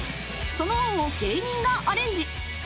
［その案を芸人がアレンジ］